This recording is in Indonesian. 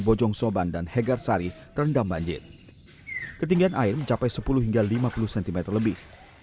bojong soban dan hegar sari terendam banjir ketinggian air mencapai sepuluh hingga lima puluh cm lebih